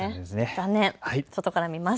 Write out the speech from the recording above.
残念、外から見えます。